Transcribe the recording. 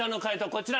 こちら。